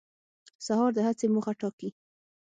سهار د هڅې موخه ټاکي.